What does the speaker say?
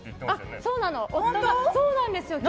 そうなんですよ。